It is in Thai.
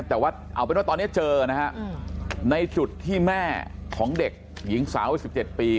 แต่ว่าเอาเป็นว่าตอนนี้เจอนะฮะในจุดที่แม่ของเด็กหญิงสาววัย๑๗ปี